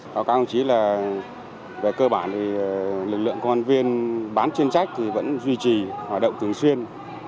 báo cáo ông chí là về cơ bản thì lực lượng công an viên bán chuyên trách thì vẫn duy trì hoạt động thường xuyên